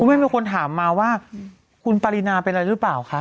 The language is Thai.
ไม่มีคนถามมาว่าคุณปรินาเป็นอะไรหรือเปล่าคะ